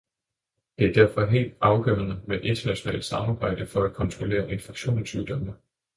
Det er derfor helt afgørende med et internationalt samarbejde for at kontrollere infektionssygdomme.